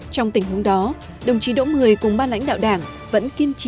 trong tình huống đó đồng chí đỗ mười cùng ban lãnh đạo đảng vẫn kiên trì